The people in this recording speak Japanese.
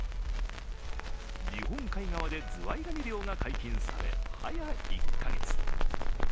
日本海側でズワイガニ漁が解禁され、早１か月。